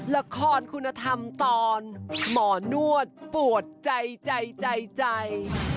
ละครคุณธรรมตอนหมอนวดปวดใจใจ